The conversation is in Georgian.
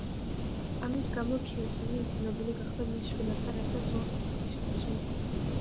ამის გამო ქიოსემი იძლებული გახდა მის შვილებთან ერთად ძველ სასახლეში წასულიყო.